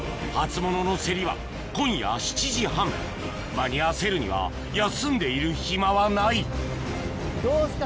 間に合わせるには休んでいる暇はないどうですか？